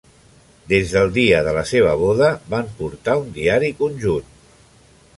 Des del dia de la seva boda van portar un diari conjunt.